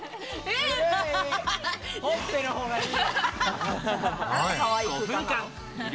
ほっぺのほうがいい！